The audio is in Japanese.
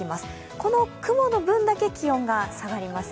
この雲の分だけ気温が下がります。